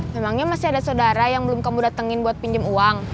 memangnya masih ada saudara yang belum kamu datengin buat pinjam uang